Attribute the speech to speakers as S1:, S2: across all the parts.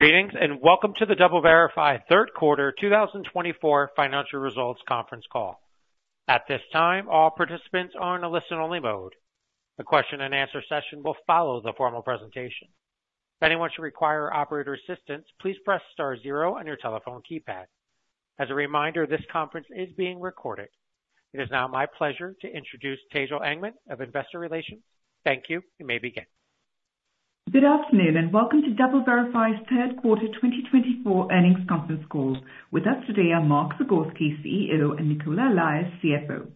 S1: Greetings and welcome to the DoubleVerify Q3 2024 Financial Results Conference call. At this time, all participants are in a listen-only mode. The question-and-answer session will follow the formal presentation. If anyone should require operator assistance, please press star zero on your telephone keypad. As a reminder, this conference is being recorded. It is now my pleasure to introduce Tejal Engman of Investor Relations. Thank you, you may begin.
S2: Good afternoon and welcome to DoubleVerify's Q3 2024 Earnings Conference call. With us today are Mark Zagorski, CEO, and Nicola Allais, CFO.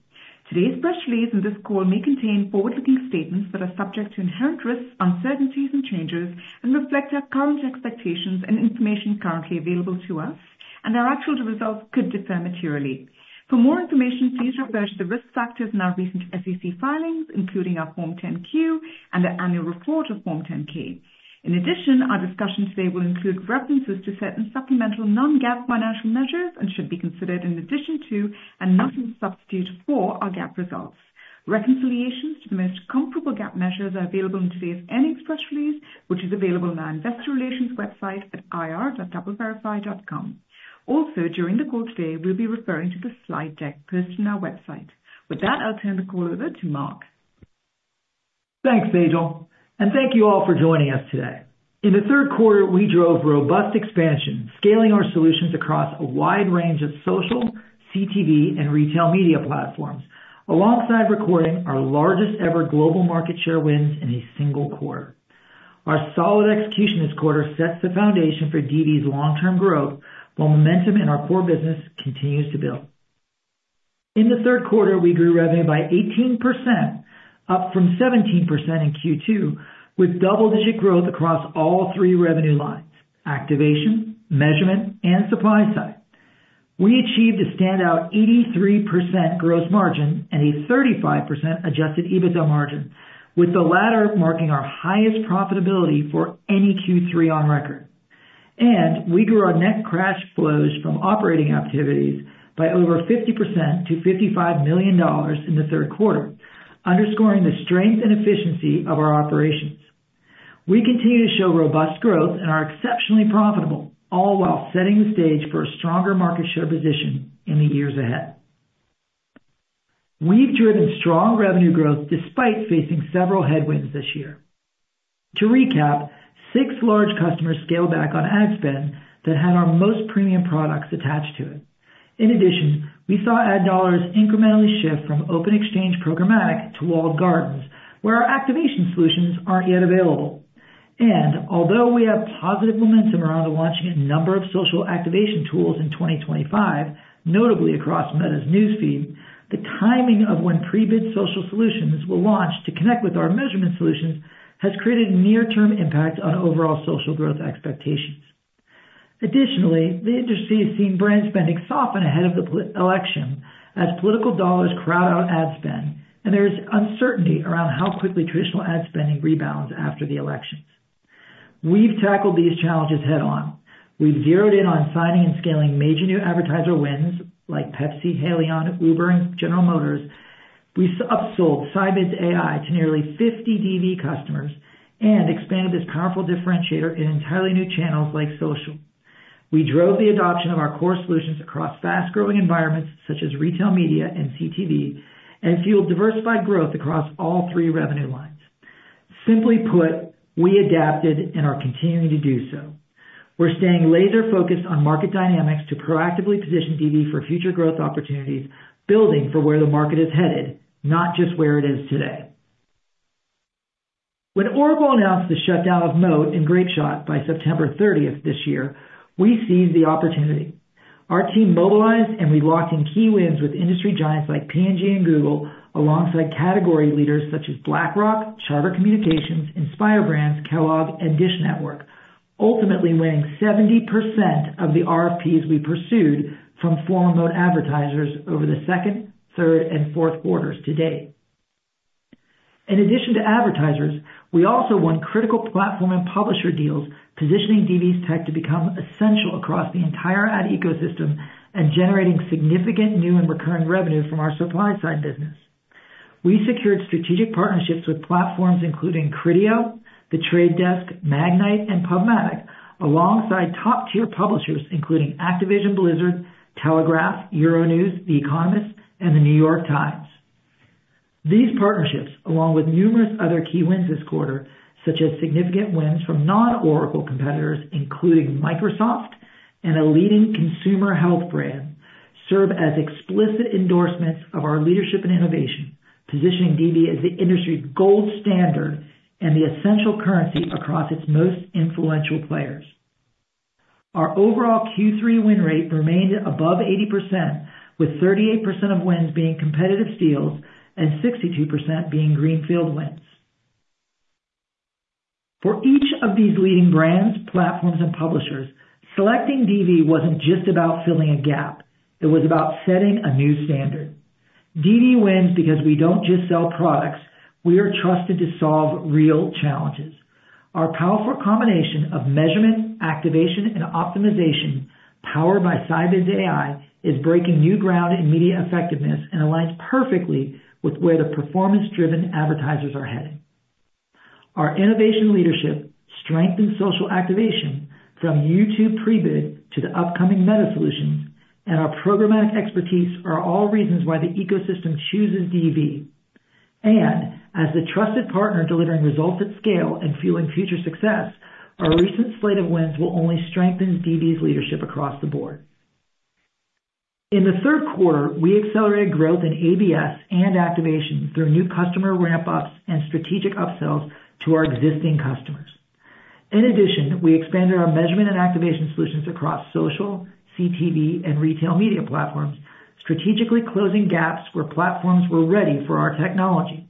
S2: Today's press release and this call may contain forward-looking statements that are subject to inherent risks, uncertainties, and changes, and reflect our current expectations and information currently available to us, and our actual results could differ materially. For more information, please refer to the risk factors in our recent SEC filings, including our Form 10-Q and the annual report of Form 10-K. In addition, our discussion today will include references to certain supplemental non-GAAP financial measures and should be considered in addition to and not in substitute for our GAAP results. Reconciliations to the most comparable GAAP measures are available in today's earnings press release, which is available on our Investor Relations website at ir.doubleverify.com. Also, during the call today, we'll be referring to the slide deck posted on our website. With that, I'll turn the call over to Mark.
S3: Thanks, Tejal, and thank you all for joining us today. In Q3, we drove robust expansion, scaling our solutions across a wide range of social, CTV, and retail media platforms, alongside recording our largest-ever global market share wins in a single quarter. Our solid execution this quarter sets the foundation for DV's long-term growth while momentum in our core business continues to build. In Q3, we grew revenue by 18%, up from 17% in Q2, with double-digit growth across all three revenue lines: activation, measurement, and supply side. We achieved a standout 83% gross margin and a 35% Adjusted EBITDA margin, with the latter marking our highest profitability for any Q3 on record, and we grew our net cash flows from operating activities by over 50% to $55 million in Q3, underscoring the strength and efficiency of our operations. We continue to show robust growth and are exceptionally profitable, all while setting the stage for a stronger market share position in the years ahead. We've driven strong revenue growth despite facing several headwinds this year. To recap, six large customers scaled back on ad spend that had our most premium products attached to it. In addition, we saw ad dollars incrementally shift from open exchange programmatic to walled gardens, where our activation solutions aren't yet available, and although we have positive momentum around launching a number of social activation tools in 2025, notably across Meta's news feed, the timing of when pre-bid social solutions will launch to connect with our measurement solutions has created a near-term impact on overall social growth expectations. Additionally, the industry has seen brand spending soften ahead of the election as political dollars crowd out ad spend, and there is uncertainty around how quickly traditional ad spending rebounds after the elections. We've tackled these challenges head-on. We've zeroed in on signing and scaling major new advertiser wins like Pepsi, Haleon, Uber, and General Motors. We've upsold Scibids AI to nearly 50 DV customers and expanded this powerful differentiator in entirely new channels like social. We drove the adoption of our core solutions across fast-growing environments such as retail media and CTV and fueled diversified growth across all three revenue lines. Simply put, we adapted and are continuing to do so. We're staying laser-focused on market dynamics to proactively position DV for future growth opportunities, building for where the market is headed, not just where it is today. When Oracle announced the shutdown of Moat and Grapeshot by September 30 this year, we seized the opportunity. Our team mobilized, and we locked in key wins with industry giants like P&G and Google, alongside category leaders such as BlackRock, Charter Communications, Inspire Brands, Kellogg, and Dish Network, ultimately winning 70% of the RFPs we pursued from former Moat advertisers over the second, third, and fourth quarters to date. In addition to advertisers, we also won critical platform and publisher deals, positioning DV's tech to become essential across the entire ad ecosystem and generating significant new and recurring revenue from our supply-side business. We secured strategic partnerships with platforms including Criteo, The Trade Desk, Magnite, and PubMatic, alongside top-tier publishers including Activision Blizzard, Telegraph, Euronews, The Economist, and The New York Times. These partnerships, along with numerous other key wins this quarter, such as significant wins from non-Oracle competitors including Microsoft and a leading consumer health brand, serve as explicit endorsements of our leadership and innovation, positioning DV as the industry's gold standard and the essential currency across its most influential players. Our overall Q3 win rate remained above 80%, with 38% of wins being competitive steals and 62% being greenfield wins. For each of these leading brands, platforms, and publishers, selecting DV wasn't just about filling a gap. It was about setting a new standard. DV wins because we don't just sell products. We are trusted to solve real challenges. Our powerful combination of measurement, activation, and optimization powered by Scibids AI is breaking new ground in media effectiveness and aligns perfectly with where the performance-driven advertisers are heading. Our innovation leadership, strengthened social activation from YouTube pre-bid to the upcoming Meta solutions, and our programmatic expertise are all reasons why the ecosystem chooses DV. And as the trusted partner delivering results at scale and fueling future success, our recent slate of wins will only strengthen DV's leadership across the board. In Q3, we accelerated growth in ABS and activation through new customer ramp-ups and strategic upsells to our existing customers. In addition, we expanded our measurement and activation solutions across social, CTV, and retail media platforms, strategically closing gaps where platforms were ready for our technology.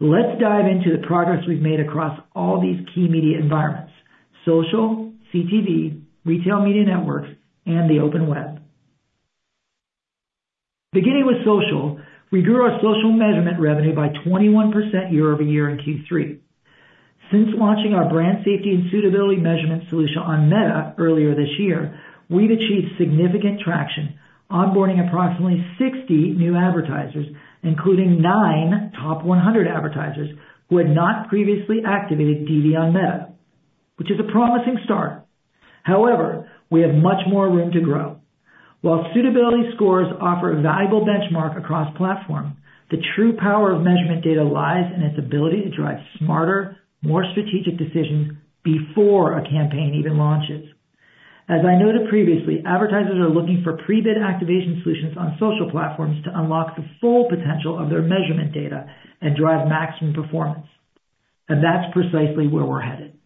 S3: Let's dive into the progress we've made across all these key media environments: social, CTV, retail media networks, and the open web. Beginning with social, we grew our social measurement revenue by 21% year-over-year in Q3. Since launching our brand safety and suitability measurement solution on Meta earlier this year, we've achieved significant traction, onboarding approximately 60 new advertisers, including nine top 100 advertisers who had not previously activated DV on Meta, which is a promising start. However, we have much more room to grow. While suitability scores offer a valuable benchmark across platforms, the true power of measurement data lies in its ability to drive smarter, more strategic decisions before a campaign even launches. As I noted previously, advertisers are looking for pre-bid activation solutions on social platforms to unlock the full potential of their measurement data and drive maximum performance, and that's precisely where we're headed.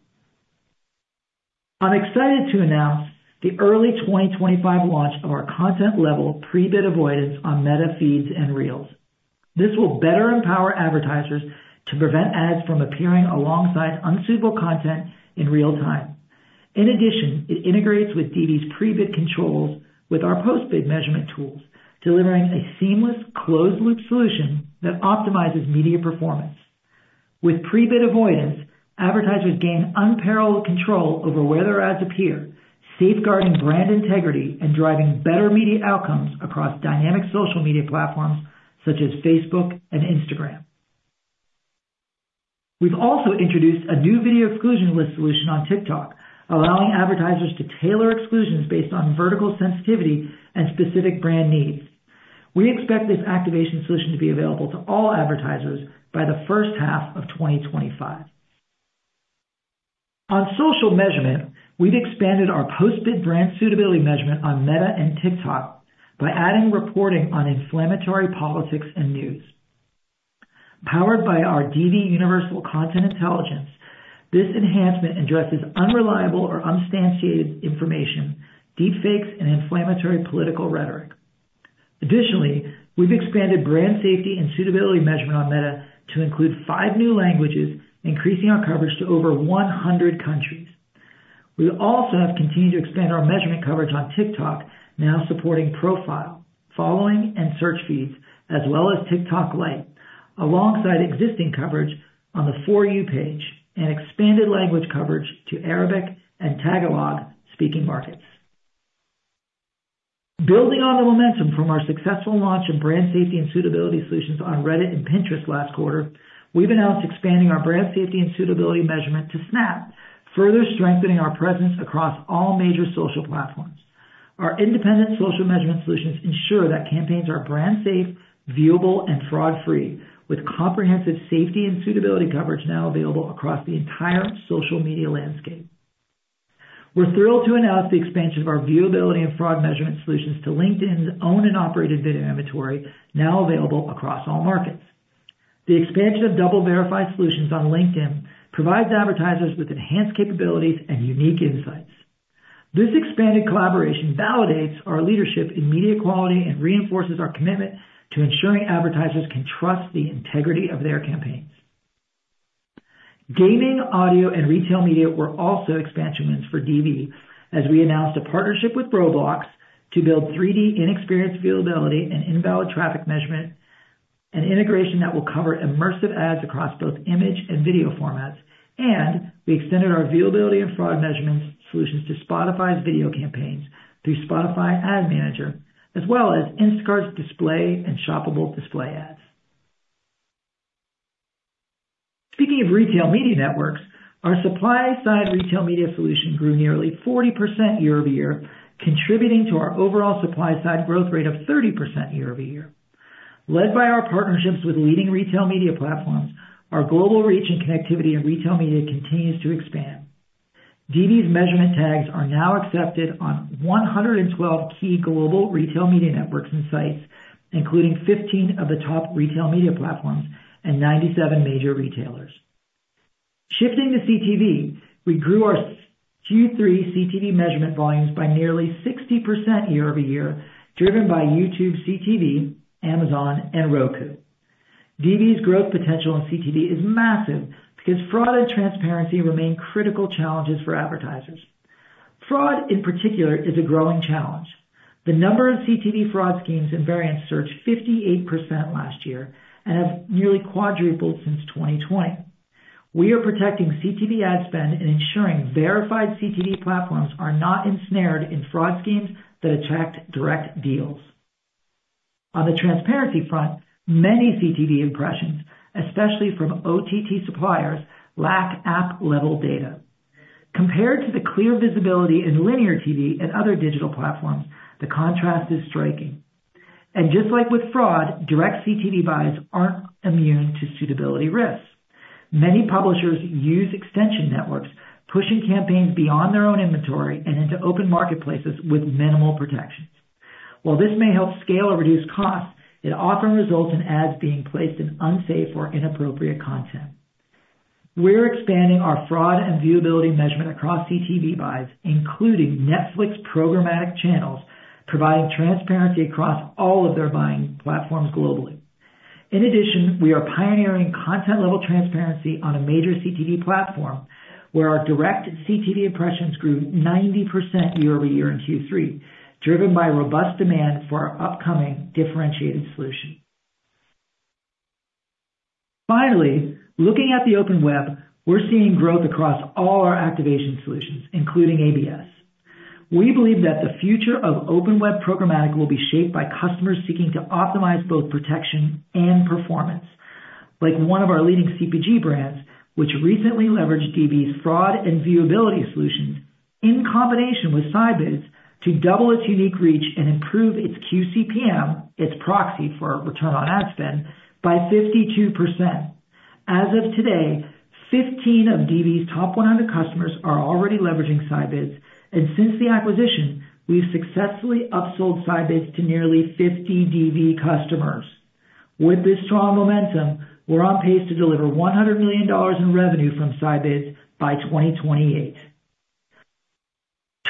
S3: I'm excited to announce the early 2025 launch of our content-level pre-bid avoidance on Meta feeds and reels. This will better empower advertisers to prevent ads from appearing alongside unsuitable content in real time. In addition, it integrates with DV's pre-bid controls with our post-bid measurement tools, delivering a seamless closed-loop solution that optimizes media performance. With pre-bid avoidance, advertisers gain unparalleled control over where their ads appear, safeguarding brand integrity and driving better media outcomes across dynamic social media platforms such as Facebook and Instagram. We've also introduced a new video exclusion list solution on TikTok, allowing advertisers to tailor exclusions based on vertical sensitivity and specific brand needs. We expect this activation solution to be available to all advertisers by the first half of 2025. On social measurement, we've expanded our post-bid brand suitability measurement on Meta and TikTok by adding reporting on inflammatory politics and news. Powered by our DV Universal Content Intelligence, this enhancement addresses unreliable or unstantiated information, deepfakes, and inflammatory political rhetoric. Additionally, we've expanded brand safety and suitability measurement on Meta to include five new languages, increasing our coverage to over 100 countries. We also have continued to expand our measurement coverage on TikTok, now supporting Profile, Following, and Search feeds, as well as TikTok Lite, alongside existing coverage on the For You page and expanded language coverage to Arabic and Tagalog-speaking markets. Building on the momentum from our successful launch of brand safety and suitability solutions on Reddit and Pinterest last quarter, we've announced expanding our brand safety and suitability measurement to Snap, further strengthening our presence across all major social platforms. Our independent social measurement solutions ensure that campaigns are brand safe, viewable, and fraud-free, with comprehensive safety and suitability coverage now available across the entire social media landscape. We're thrilled to announce the expansion of our viewability and fraud measurement solutions to LinkedIn's owned and operated video inventory, now available across all markets. The expansion of DoubleVerify solutions on LinkedIn provides advertisers with enhanced capabilities and unique insights. This expanded collaboration validates our leadership in media quality and reinforces our commitment to ensuring advertisers can trust the integrity of their campaigns. Gaming, audio, and retail media were also expansion wins for DV, as we announced a partnership with Roblox to build 3D in-experience viewability and invalid traffic measurement, an integration that will cover immersive ads across both image and video formats. And we extended our viewability and fraud measurement solutions to Spotify's video campaigns through Spotify Ad Manager, as well as Instacart's display and shoppable display ads. Speaking of retail media networks, our supply-side retail media solution grew nearly 40% year-over-year, contributing to our overall supply-side growth rate of 30% year-over-year. Led by our partnerships with leading retail media platforms, our global reach and connectivity in retail media continues to expand. DV's measurement tags are now accepted on 112 key global retail media networks and sites, including 15 of the top retail media platforms and 97 major retailers. Shifting to CTV, we grew our Q3 CTV measurement volumes by nearly 60% year-over-year, driven by YouTube CTV, Amazon, and Roku. DV's growth potential in CTV is massive because fraud and transparency remain critical challenges for advertisers. Fraud, in particular, is a growing challenge. The number of CTV fraud schemes and variants surged 58% last year and have nearly quadrupled since 2020. We are protecting CTV ad spend and ensuring verified CTV platforms are not ensnared in fraud schemes that attract direct deals. On the transparency front, many CTV impressions, especially from OTT suppliers, lack app-level data. Compared to the clear visibility in linear TV and other digital platforms, the contrast is striking, and just like with fraud, direct CTV buys aren't immune to suitability risks. Many publishers use extension networks, pushing campaigns beyond their own inventory and into open marketplaces with minimal protections. While this may help scale or reduce costs, it often results in ads being placed in unsafe or inappropriate content. We're expanding our fraud and viewability measurement across CTV buys, including Netflix programmatic channels, providing transparency across all of their buying platforms globally. In addition, we are pioneering content-level transparency on a major CTV platform, where our direct CTV impressions grew 90% year-over-year in Q3, driven by robust demand for our upcoming differentiated solution. Finally, looking at the open web, we're seeing growth across all our activation solutions, including ABS. We believe that the future of open web programmatic will be shaped by customers seeking to optimize both protection and performance, like one of our leading CPG brands, which recently leveraged DV's fraud and viewability solutions in combination with Scibids to double its unique reach and improve its QCPM, its proxy for return on ad spend, by 52%. As of today, 15 of DV's top 100 customers are already leveraging Scibids, and since the acquisition, we've successfully upsold Scibids to nearly 50 DV customers. With this strong momentum, we're on pace to deliver $100 million in revenue from Scibids by 2028.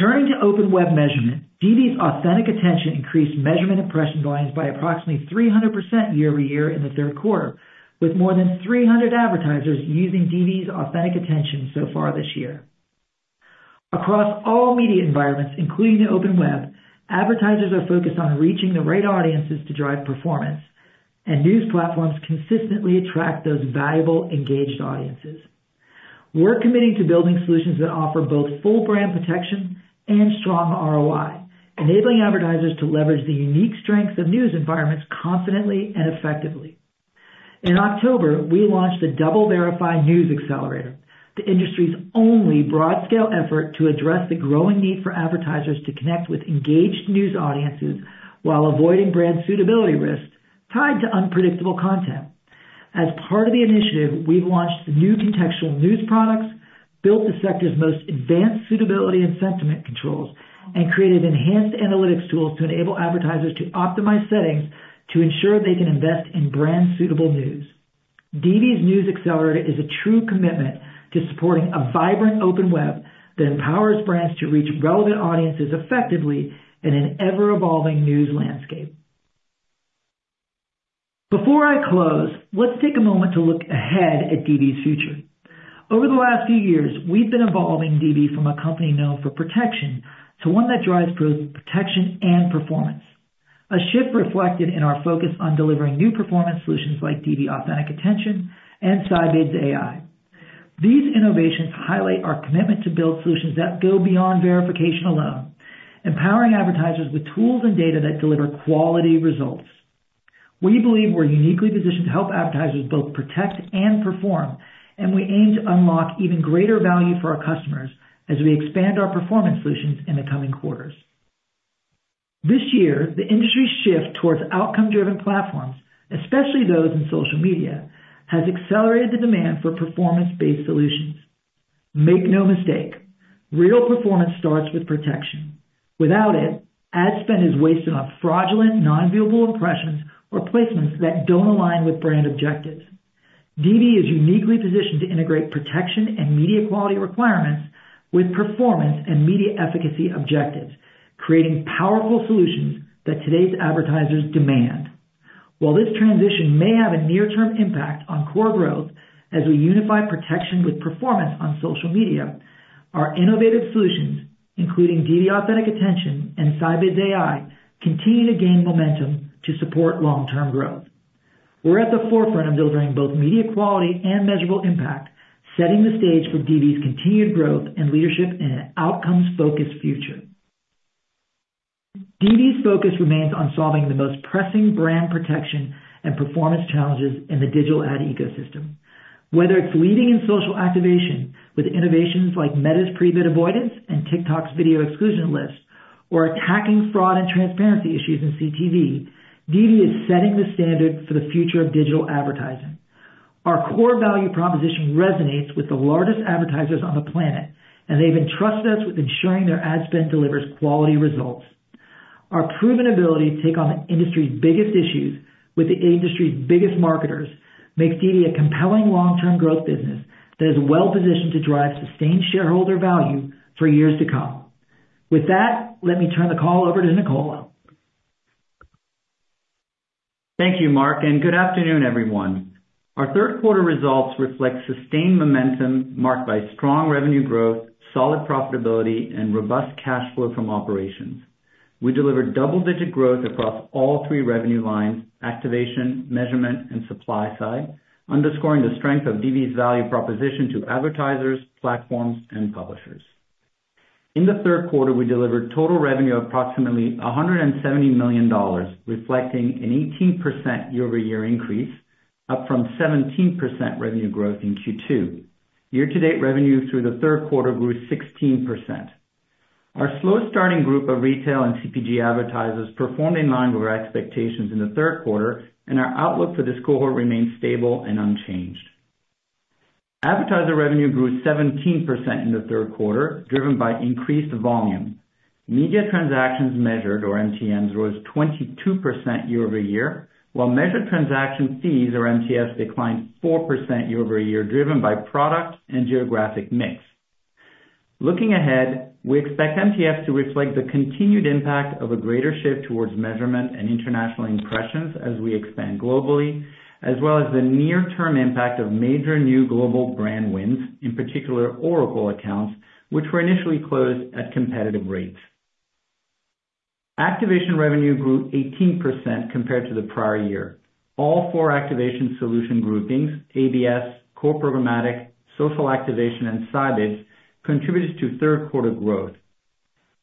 S3: Turning to Open Web measurement, DV's Authentic Attention increased measurement impression volumes by approximately 300% year-over-year in Q3, with more than 300 advertisers using DV's Authentic Attention so far this year. Across all media environments, including the Open Web, advertisers are focused on reaching the right audiences to drive performance, and news platforms consistently attract those valuable engaged audiences. We're committing to building solutions that offer both full brand protection and strong ROI, enabling advertisers to leverage the unique strengths of news environments confidently and effectively. In October, we launched the DoubleVerify News Accelerator, the industry's only broad-scale effort to address the growing need for advertisers to connect with engaged news audiences while avoiding brand suitability risks tied to unpredictable content. As part of the initiative, we've launched new contextual news products, built the sector's most advanced suitability and sentiment controls, and created enhanced analytics tools to enable advertisers to optimize settings to ensure they can invest in brand-suitable news. DV's News Accelerator is a true commitment to supporting a vibrant Open Web that empowers brands to reach relevant audiences effectively in an ever-evolving news landscape. Before I close, let's take a moment to look ahead at DV's future. Over the last few years, we've been evolving DV from a company known for protection to one that drives both protection and performance, a shift reflected in our focus on delivering new performance solutions like DV Authentic Attention and Scibids AI. These innovations highlight our commitment to build solutions that go beyond verification alone, empowering advertisers with tools and data that deliver quality results. We believe we're uniquely positioned to help advertisers both protect and perform, and we aim to unlock even greater value for our customers as we expand our performance solutions in the coming quarters. This year, the industry's shift towards outcome-driven platforms, especially those in social media, has accelerated the demand for performance-based solutions. Make no mistake, real performance starts with protection. Without it, ad spend is wasted on fraudulent, non-viewable impressions or placements that don't align with brand objectives. DV is uniquely positioned to integrate protection and media quality requirements with performance and media efficacy objectives, creating powerful solutions that today's advertisers demand. While this transition may have a near-term impact on core growth as we unify protection with performance on social media, our innovative solutions, including DV Authentic Attention and Scibids AI, continue to gain momentum to support long-term growth. We're at the forefront of delivering both media quality and measurable impact, setting the stage for DV's continued growth and leadership in an outcomes-focused future. DV's focus remains on solving the most pressing brand protection and performance challenges in the digital ad ecosystem. Whether it's leading in social activation with innovations like Meta's pre-bid avoidance and TikTok's video exclusion list, or attacking fraud and transparency issues in CTV, DV is setting the standard for the future of digital advertising. Our core value proposition resonates with the largest advertisers on the planet, and they've entrusted us with ensuring their ad spend delivers quality results. Our proven ability to take on the industry's biggest issues with the industry's biggest marketers makes DV a compelling long-term growth business that is well-positioned to drive sustained shareholder value for years to come. With that, let me turn the call over to Nicola.
S4: Thank you, Mark, and good afternoon, everyone. Our Q3 results reflect sustained momentum marked by strong revenue growth, solid profitability, and robust cash flow from operations. We delivered double-digit growth across all three revenue lines: activation, measurement, and supply side, underscoring the strength of DV's value proposition to advertisers, platforms, and publishers. In Q3, we delivered total revenue of approximately $170 million, reflecting an 18% year-over-year increase, up from 17% revenue growth in Q2. Year-to-date revenue through Q3 grew 16%. Our slow-starting group of retail and CPG advertisers performed in line with our expectations in Q3, and our outlook for this cohort remains stable and unchanged. Advertiser revenue grew 17% in Q3, driven by increased volume. Media transactions measured, or MTMs, rose 22% year-over-year, while measured transaction fees, or MTFs, declined 4% year-over-year, driven by product and geographic mix. Looking ahead, we expect MTFs to reflect the continued impact of a greater shift towards measurement and international impressions as we expand globally, as well as the near-term impact of major new global brand wins, in particular, Oracle accounts, which were initially closed at competitive rates. Activation revenue grew 18% compared to the prior year. All four activation solution groupings (ABS, core programmatic, social activation, and Scibids) contributed to Q3 growth.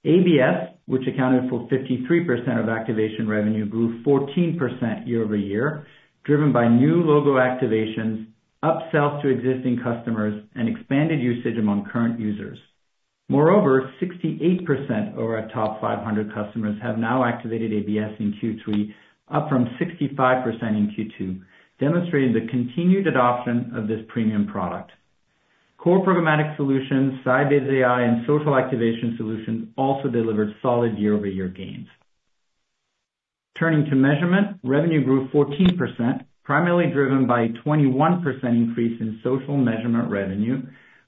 S4: ABS, which accounted for 53% of activation revenue, grew 14% year-over-year, driven by new logo activations, upsells to existing customers, and expanded usage among current users. Moreover, 68% of our top 500 customers have now activated ABS in Q3, up from 65% in Q2, demonstrating the continued adoption of this premium product. Core programmatic solutions, Scibids AI, and social activation solutions also delivered solid year-over-year gains. Turning to measurement, revenue grew 14%, primarily driven by a 21% increase in social measurement revenue,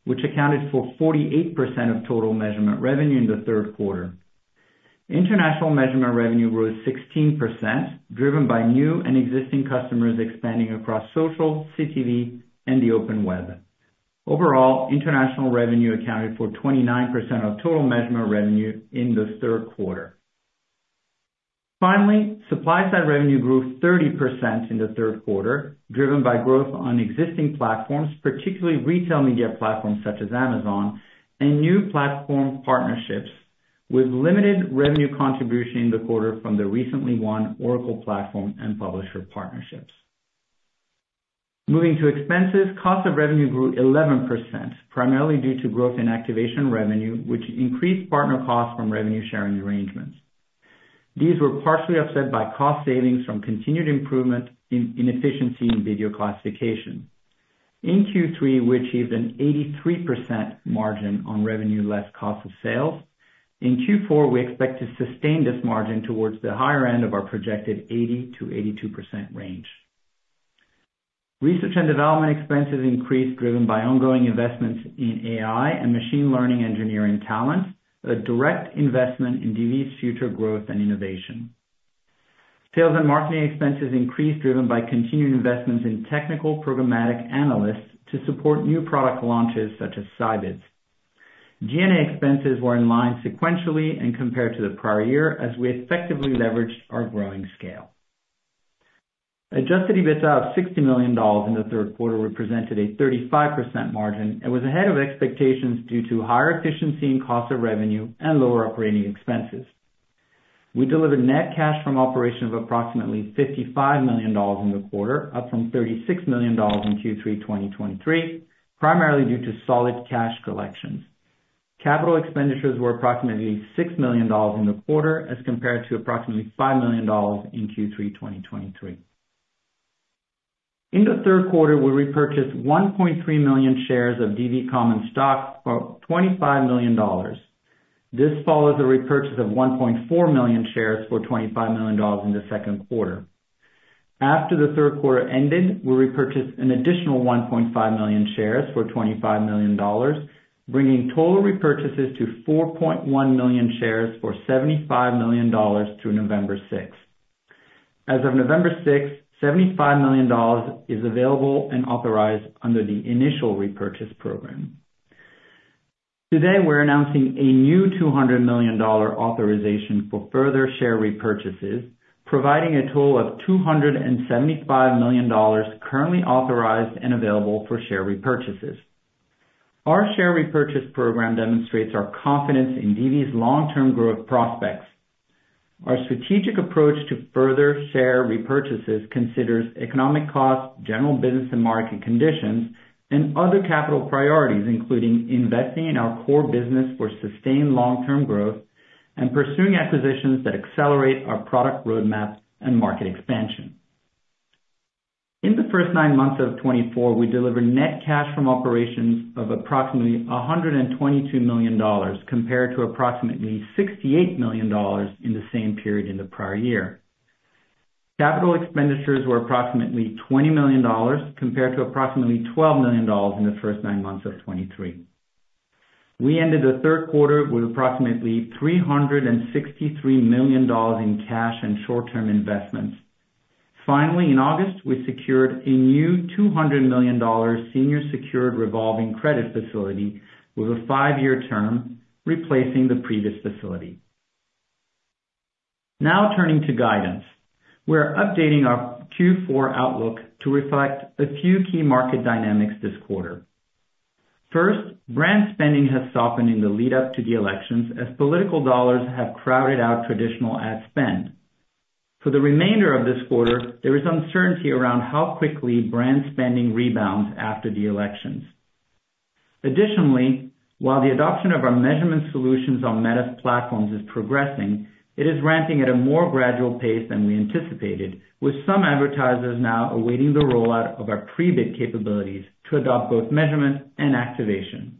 S4: which accounted for 48% of total measurement revenue in Q3. International measurement revenue rose 16%, driven by new and existing customers expanding across social, CTV, and the open web. Overall, international revenue accounted for 29% of total measurement revenue in Q3. Finally, supply-side revenue grew 30% in Q3, driven by growth on existing platforms, particularly retail media platforms such as Amazon, and new platform partnerships, with limited revenue contribution in Q3 from the recently won Oracle platform and publisher partnerships. Moving to expenses, cost of revenue grew 11%, primarily due to growth in activation revenue, which increased partner costs from revenue-sharing arrangements. These were partially offset by cost savings from continued improvement in efficiency in video classification. In Q3, we achieved an 83% margin on revenue less cost of sales. In Q4, we expect to sustain this margin towards the higher end of our projected 80%-82% range. Research and development expenses increased, driven by ongoing investments in AI and machine learning engineering talent, a direct investment in DV's future growth and innovation. Sales and marketing expenses increased, driven by continued investments in technical programmatic analysts to support new product launches such as Scibids. G&A expenses were in line sequentially and compared to the prior year as we effectively leveraged our growing scale. Adjusted EBITDA of $60 million in Q3 represented a 35% margin and was ahead of expectations due to higher efficiency in cost of revenue and lower operating expenses. We delivered net cash from operations of approximately $55 million in Q4, up from $36 million in Q3 2023, primarily due to solid cash collections. Capital expenditures were approximately $6 million in Q4 as compared to approximately $5 million in Q3 2023. In Q3, we repurchased 1.3 million shares of DV Common Stock for $25 million. This follows a repurchase of 1.4 million shares for $25 million in Q2. After Q3 ended, we repurchased an additional 1.5 million shares for $25 million, bringing total repurchases to 4.1 million shares for $75 million through November 6. As of November 6, $75 million is available and authorized under the initial repurchase program. Today, we're announcing a new $200 million authorization for further share repurchases, providing a total of $275 million currently authorized and available for share repurchases. Our share repurchase program demonstrates our confidence in DV's long-term growth prospects. Our strategic approach to further share repurchases considers economic costs, general business and market conditions, and other capital priorities, including investing in our core business for sustained long-term growth and pursuing acquisitions that accelerate our product roadmap and market expansion. In the first nine months of Q4, we delivered net cash from operations of approximately $122 million, compared to approximately $68 million in the same period in Q2. Capital expenditures were approximately $20 million, compared to approximately $12 million in the first nine months of Q3. We ended Q3 with approximately $363 million in cash and short-term investments. Finally, in August, we secured a new $200 million senior-secured revolving credit facility with a five-year term, replacing the previous facility. Now turning to guidance, we're updating our Q4 outlook to reflect a few key market dynamics this quarter. First, brand spending has softened in the lead-up to the elections as political dollars have crowded out traditional ad spend. For the remainder of this quarter, there is uncertainty around how quickly brand spending rebounds after the elections. Additionally, while the adoption of our measurement solutions on Meta's platforms is progressing, it is ramping at a more gradual pace than we anticipated, with some advertisers now awaiting the rollout of our pre-bid capabilities to adopt both measurement and activation.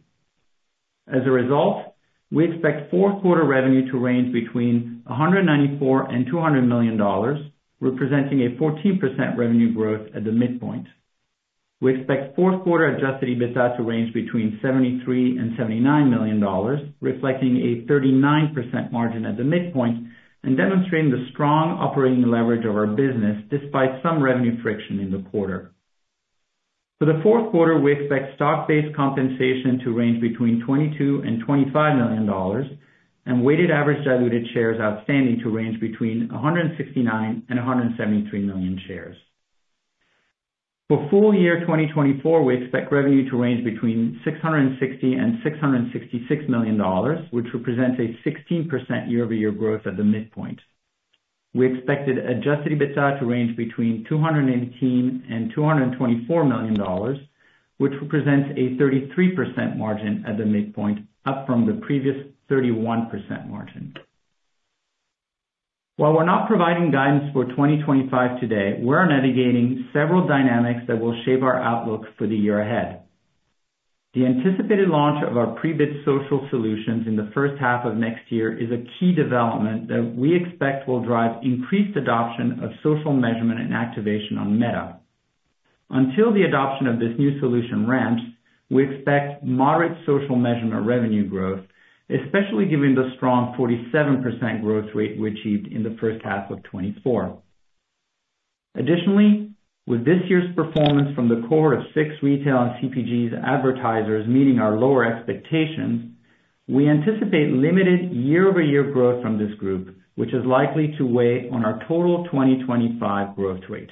S4: As a result, we expect Q4 revenue to range between $194-$200 million, representing a 14% revenue growth at the midpoint. We expect Q4 Adjusted EBITDA to range between $73-$79 million, reflecting a 39% margin at the midpoint and demonstrating the strong operating leverage of our business despite some revenue friction in Q4. For Q4, we expect stock-based compensation to range between $22 and $25 million, and weighted average diluted shares outstanding to range between 169 and 173 million shares. For full year 2024, we expect revenue to range between $660 and $666 million, which represents a 16% year-over-year growth at the midpoint. We expected Adjusted EBITDA to range between $218 and $224 million, which represents a 33% margin at the midpoint, up from the previous 31% margin. While we're not providing guidance for 2025 today, we're navigating several dynamics that will shape our outlook for the year ahead. The anticipated launch of our pre-bid social solutions in the first half of next year is a key development that we expect will drive increased adoption of social measurement and activation on Meta. Until the adoption of this new solution launches, we expect moderate social measurement revenue growth, especially given the strong 47% growth rate we achieved in Q1 of '24. Additionally, with this year's performance from the cohort of six retail and CPG advertisers meeting our lower expectations, we anticipate limited year-over-year growth from this group, which is likely to weigh on our total 2025 growth rate.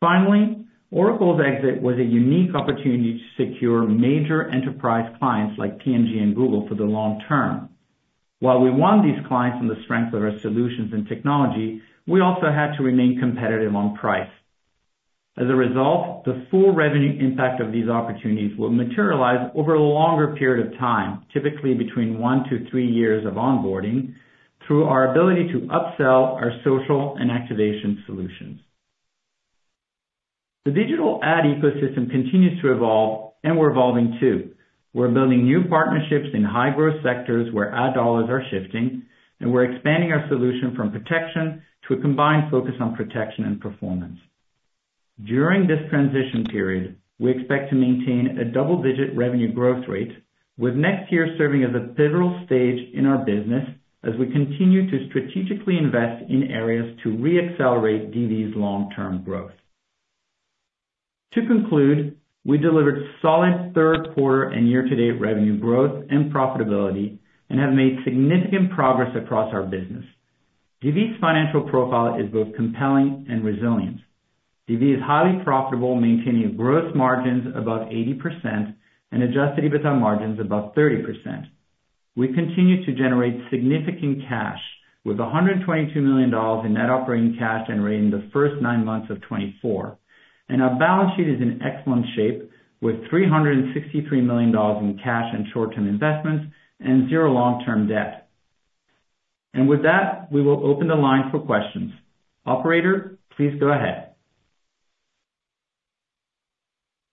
S4: Finally, Oracle's exit was a unique opportunity to secure major enterprise clients like P&G and Google for the long term. While we won these clients on the strength of our solutions and technology, we also had to remain competitive on price. As a result, the full revenue impact of these opportunities will materialize over a longer period of time, typically between one to three years of onboarding, through our ability to upsell our social and activation solutions. The digital ad ecosystem continues to evolve, and we're evolving too. We're building new partnerships in high-growth sectors where ad dollars are shifting, and we're expanding our solution from protection to a combined focus on protection and performance. During this transition period, we expect to maintain a double-digit revenue growth rate, with next year serving as a pivotal stage in our business as we continue to strategically invest in areas to re-accelerate DV's long-term growth. To conclude, we delivered solid Q3 and year-to-date revenue growth and profitability and have made significant progress across our business. DV's financial profile is both compelling and resilient. DV is highly profitable, maintaining gross margins above 80% and adjusted EBITDA margins above 30%. We continue to generate significant cash, with $122 million in net operating cash generated in the first nine months of 2024. Our balance sheet is in excellent shape, with $363 million in cash and short-term investments and zero long-term debt. With that, we will open the line for questions. Operator, please go ahead.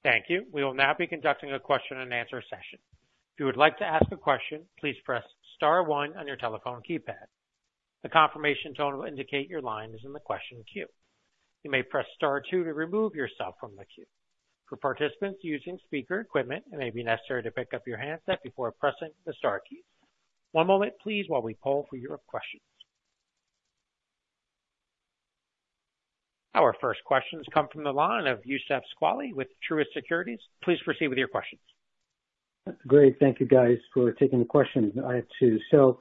S1: Thank you. We will now be conducting a question-and-answer session. If you would like to ask a question, please press Star 1 on your telephone keypad. The confirmation tone will indicate your line is in the question queue. You may press Star 2 to remove yourself from the queue. For participants using speaker equipment, it may be necessary to pick up your handset before pressing the Star keys. One moment, please, while we poll for your questions. Our first questions come from the line of Youssef Squali with Truist Securities. Please proceed with your questions.
S5: Great. Thank you, guys, for taking the questions. I have two. So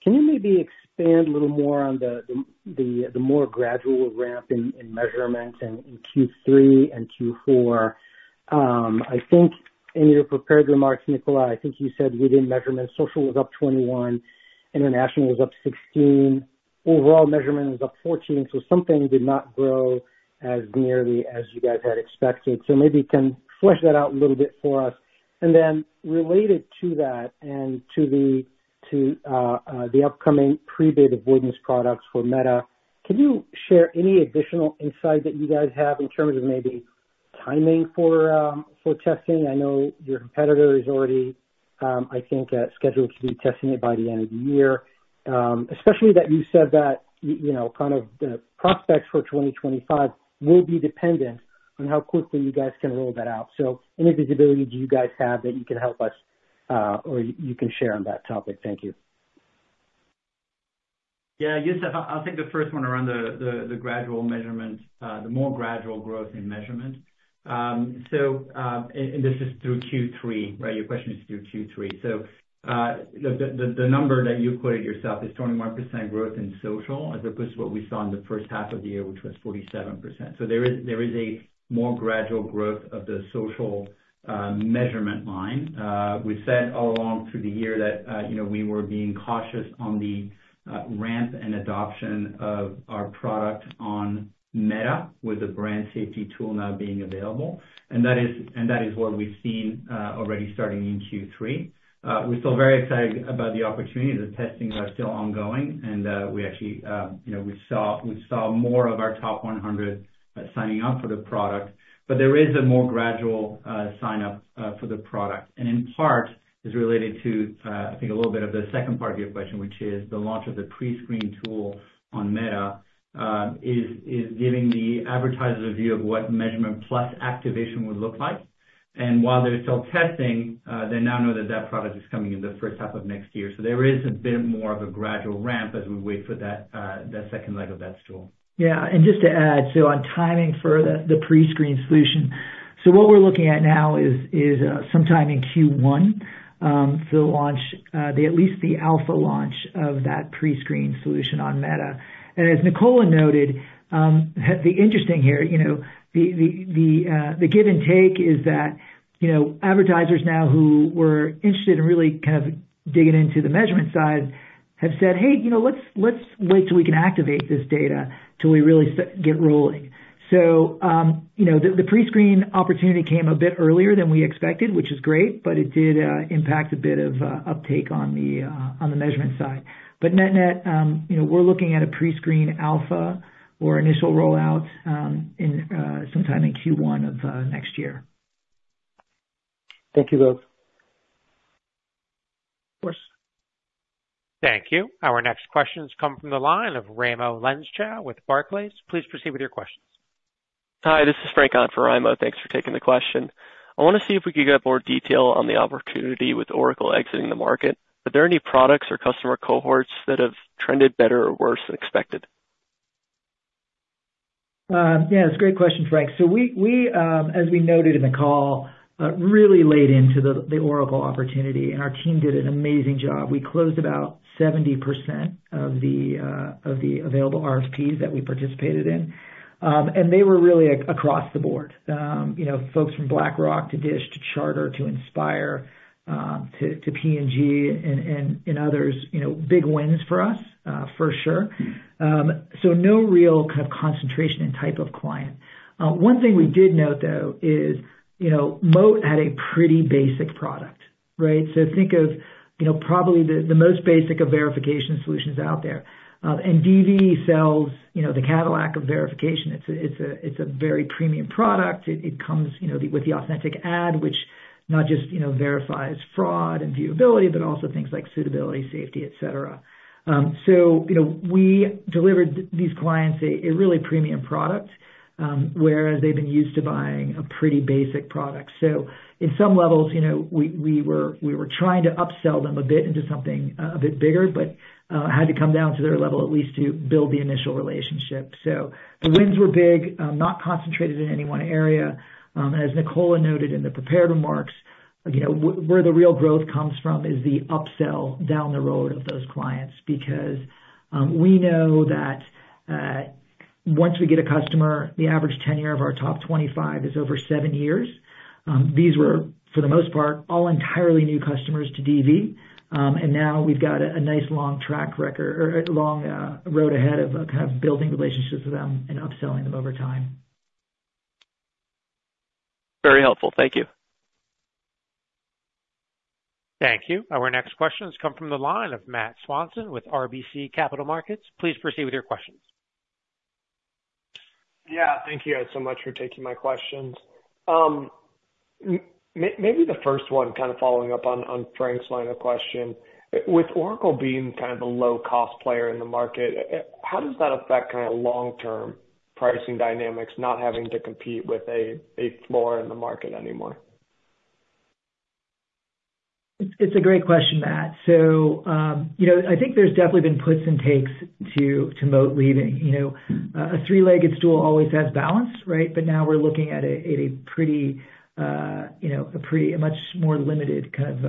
S5: can you maybe expand a little more on the more gradual ramp in measurement in Q3 and Q4? I think in your prepared remarks, Nicola, I think you said we did measurement. Social was up 21%, international was up 16%. Overall measurement was up 14%, so something did not grow as nearly as you guys had expected. So maybe you can flesh that out a little bit for us. And then related to that and to the upcoming pre-bid avoidance products for Meta, can you share any additional insight that you guys have in terms of maybe timing for testing? I know your competitor is already, I think, scheduled to be testing it by the end of the year, especially that you said that kind of the prospects for 2025 will be dependent on how quickly you guys can roll that out. So any visibility do you guys have that you can help us or you can share on that topic? Thank you.
S4: Yeah. Youssef, I'll take the first one around the gradual measurement, the more gradual growth in measurement. And this is through Q3, right? Your question is through Q3. So the number that you quoted yourself is 21% growth in social as opposed to what we saw in the first half of the year, which was 47%. So there is a more gradual growth of the social measurement line. We said all along through the year that we were being cautious on the ramp and adoption of our product on Meta with the brand safety tool now being available. And that is what we've seen already starting in Q3. We're still very excited about the opportunity. The testings are still ongoing, and we actually saw more of our top 100 signing up for the product. But there is a more gradual sign-up for the product. And in part, it's related to, I think, a little bit of the second part of your question, which is the launch of the pre-screen tool on Meta is giving the advertisers a view of what measurement plus activation would look like. And while they're still testing, they now know that that product is coming in the first half of next year. So there is a bit more of a gradual ramp as we wait for that second leg of that stool.
S3: Yeah, and just to add, so on timing for the pre-screen solution, so what we're looking at now is sometime in Q1 for the launch, at least the alpha launch of that pre-screen solution on Meta. And as Nicola noted, the interesting here, the give and take is that advertisers now who were interested in really kind of digging into the measurement side have said, "Hey, let's wait till we can activate this data totally get rolling." So the pre-screen opportunity came a bit earlier than we expected, which is great, but it did impact a bit of uptake on the measurement side. But net-net, we're looking at a pre-screen alpha or initial rollout sometime in Q1 of next year.
S5: Thank you both.
S3: Of course.
S1: Thank you. Our next questions come from the line of Raimo Lenschow with Barclays. Please proceed with your questions.
S6: Hi. This is Frank on for Raimo. Thanks for taking the question. I want to see if we could get more detail on the opportunity with Oracle exiting the market. Are there any products or customer cohorts that have trended better or worse than expected?
S3: Yeah. That's a great question, Frank. So we, as we noted in the call, really laid into the Oracle opportunity, and our team did an amazing job. We closed about 70% of the available RFPs that we participated in. And they were really across the board, folks from BlackRock to Dish to Charter to Inspire to P&G and others. Big wins for us, for sure. So no real kind of concentration and type of client. One thing we did note, though, is Moat had a pretty basic product, right? So think of probably the most basic of verification solutions out there. And DV sells the Cadillac of verification. It's a very premium product. It comes with the authentic ad, which not just verifies fraud and viewability, but also things like suitability, safety, etc. So we delivered these clients a really premium product, whereas they've been used to buying a pretty basic product. So in some levels, we were trying to upsell them a bit into something a bit bigger, but had to come down to their level at least to build the initial relationship. So the wins were big, not concentrated in any one area. As Nicola noted in the prepared remarks, where the real growth comes from is the upsell down the road of those clients because we know that once we get a customer, the average tenure of our top 25 is over seven years. These were, for the most part, all entirely new customers to DV. And now we've got a nice long track record or a long road ahead of kind of building relationships with them and upselling them over time.
S6: Very helpful. Thank you.
S1: Thank you. Our next questions come from the line of Matt Swanson with RBC Capital Markets. Please proceed with your questions.
S7: Yeah. Thank you guys so much for taking my questions. Maybe the first one, kind of following up on Frank's line of question, with Oracle being kind of a low-cost player in the market, how does that affect kind of long-term pricing dynamics, not having to compete with a floor in the market anymore?
S3: It's a great question, Matt. So I think there's definitely been puts and takes to Moat leaving. A three-legged stool always has balance, right? But now we're looking at a pretty much more limited kind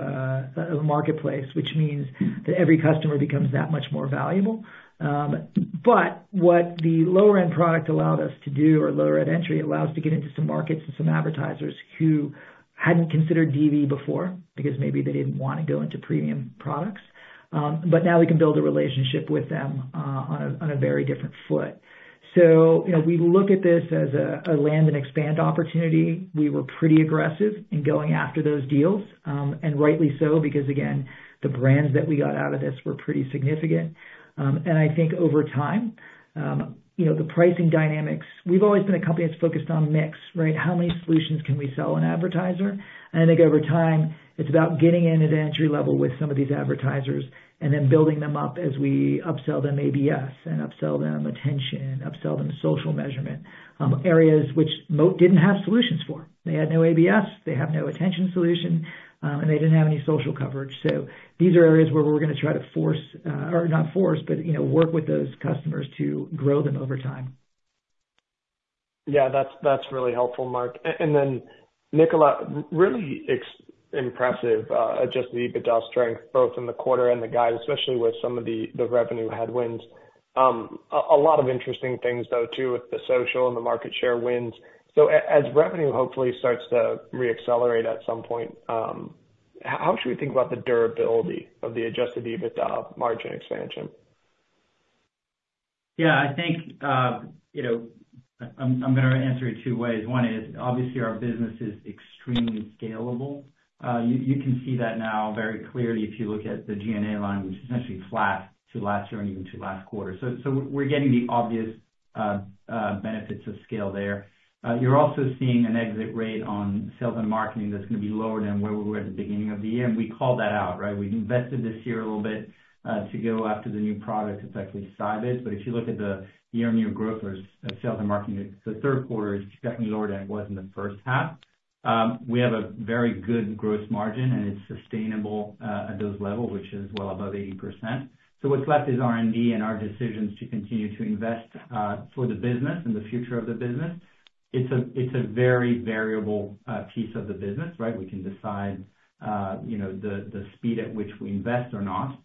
S3: of marketplace, which means that every customer becomes that much more valuable. But what the lower-end product allowed us to do, or lower-end entry, allows us to get into some markets and some advertisers who hadn't considered DV before because maybe they didn't want to go into premium products. But now we can build a relationship with them on a very different foot. So we look at this as a land-and-expand opportunity. We were pretty aggressive in going after those deals, and rightly so because, again, the brands that we got out of this were pretty significant. And I think over time, the pricing dynamics, we've always been a company that's focused on mix, right? How many solutions can we sell an advertiser? And I think over time, it's about getting in at entry level with some of these advertisers and then building them up as we upsell them ABS and upsell them attention, upsell them social measurement, areas which Moat didn't have solutions for. They had no ABS, they had no attention solution, and they didn't have any social coverage. So these are areas where we're going to try to force, or not force, but work with those customers to grow them over time.
S7: Yeah. That's really helpful, Mark. And then, Nicola, really impressive just the EBITDA strength, both in the quarter and the guide, especially with some of the revenue headwinds. A lot of interesting things, though, too, with the social and the market share wins. So as revenue hopefully starts to re-accelerate at some point, how should we think about the durability of the adjusted EBITDA margin expansion?
S4: Yeah. I think I'm going to answer it two ways. One is, obviously, our business is extremely scalable. You can see that now very clearly if you look at the G&A line, which is essentially flat to last year and even to last quarter. So we're getting the obvious benefits of scale there. You're also seeing an exit rate on sales and marketing that's going to be lower than where we were at the beginning of the year. And we called that out, right? We invested this year a little bit to go after the new product, effectively size it. But if you look at the year-on-year growth or sales and marketing, the third quarter is definitely lower than it was in the first half. We have a very good gross margin, and it's sustainable at those levels, which is well above 80%. So what's left is R&D and our decisions to continue to invest for the business and the future of the business. It's a very variable piece of the business, right? We can decide the speed at which we invest or not.